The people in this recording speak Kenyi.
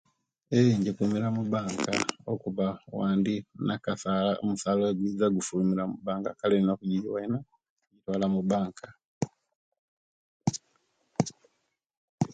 Eeye enjikumira mubanka okuba owandi nakasaala omusaala owegwiiza gufulumira mubanka kale indina okujikumira mubanka.